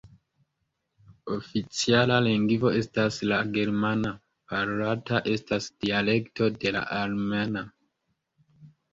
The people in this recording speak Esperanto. Oficiala lingvo estas la germana, parolata estas dialekto de la alemana.